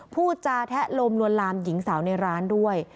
พูดจาแทะลมลวนลามหญิงสาวในร้านด้วย